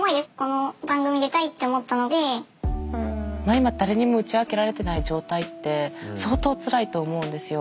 今誰にも打ち明けられてない状態って相当つらいと思うんですよ。